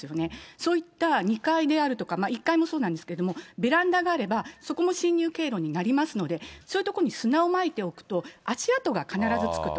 そういった２階であるとか、１階もそうなんですけれども、ベランダがあれば、そこも侵入経路になりますので、そういう所に砂をまいておくと、足跡が必ずつくと。